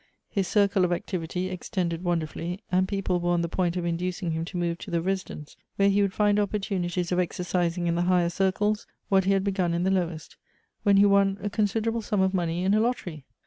His circle of activ ity extended wonderfully, and people were on the point of inducing him to move to the Residence, where he would find opportunities of exercising in the higher circles what he had begun in the lowest, when he won a considerable sum of money in a lottery.